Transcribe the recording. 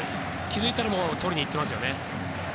気づいたらもうとりにいってますね。